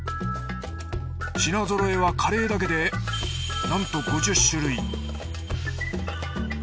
品ぞろえはカレーだけでなんと５０種類。